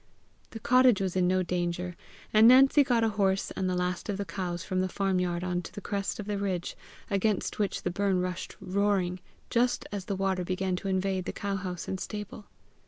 The cottage was in no danger; and Nancy got a horse and the last of the cows from the farm yard on to the crest of the ridge, against which the burn rushed roaring, just as the water began to invade the cowhouse and stable.